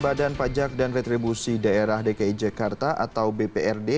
badan pajak dan retribusi daerah dki jakarta atau bprd